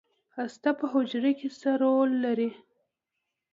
هسته په حجره کې څه رول لري؟